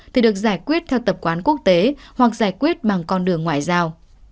thì được giải quyết theo tập quán quốc tế hoặc giải quyết bằng con đường ngoại giao